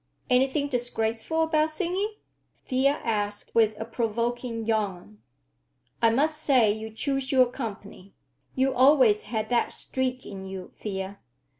"Anything disgraceful about singing?" Thea asked with a provoking yawn. "I must say you choose your company! You always had that streak in you, Thea.